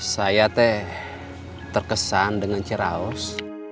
saya teh terkesan dengan ceraos